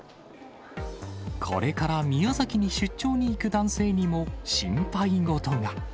これから宮崎に出張に行く男性にも、心配事が。